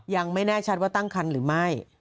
ยังไม่แน่ชัดว่าตั้งคันหรือไม่